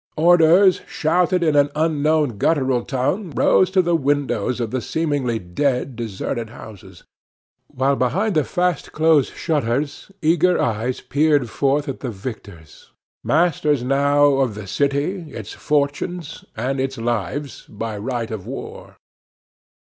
Orders shouted in an unknown, guttural tongue rose to the windows of the seemingly dead, deserted houses; while behind the fast closed shutters eager eyes peered forth at the victors masters now of the city, its fortunes, and its lives, by "right of war."